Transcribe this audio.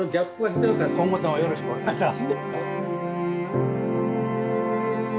今後ともよろしくお願いします。